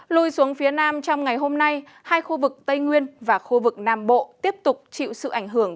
lùi xuống phía nam trong ngày hôm nay hai khu vực tây nguyên và khu vực nam bộ tiếp tục chịu sự ảnh hưởng